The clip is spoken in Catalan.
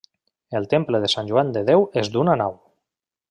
El temple de Sant Joan de Déu és d'una nau.